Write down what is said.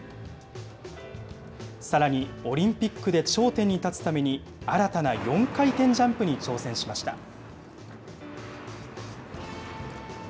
さらにオリンピックで頂点に立つために、新たな４回転ジャンプに挑戦しました。